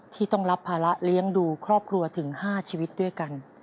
ที่ต้องรับภาระเลี้ยงดูครอบครัวถึง๕ชีวิตด้วยกัน